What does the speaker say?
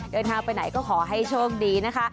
เดินทางไปไหนก็ขอให้โชคดีนะคะ